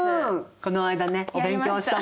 この間ねお勉強したもんね。